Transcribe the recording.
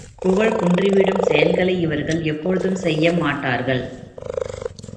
புகழ் குன்றிவிடும் செயல்களை இவர்கள் எப்பொழுதும் செய்ய மாட்டார்கள்.